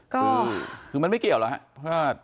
ก็คือมันไม่เกี่ยวหรอกครับ